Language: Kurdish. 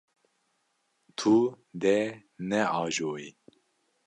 Tu dê neajoyî.